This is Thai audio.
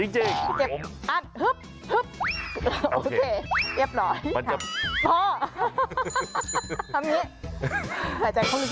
จริงโอเคเรียบร้อยพอทำนี้ใส่ใจเข้าลึก